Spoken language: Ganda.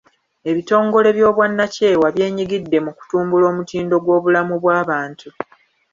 Ebitongole by'obwannakyewa byenyigidde mu kutumbula omutindo gw'obulamu bw'abantu.